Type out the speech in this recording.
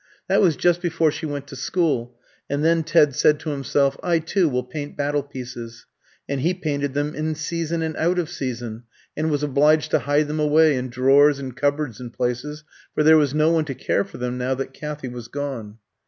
That was just before she went to school, and then Ted said to himself, "I too will paint battle pieces"; and he painted them in season and out of season, and was obliged to hide them away in drawers and cupboards and places, for there was no one to care for them now that Kathy was gone.